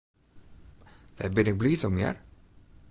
Dêr bin ik bliid om, hear.